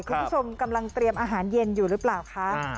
คุณผู้ชมกำลังเตรียมอาหารเย็นอยู่หรือเปล่าคะ